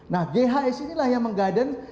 nah ghs inilah yang menggadeng